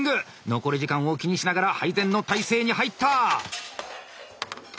残り時間を気にしながら配膳の態勢に入った！